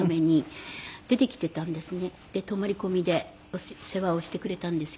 泊まり込みで世話をしてくれたんですけど。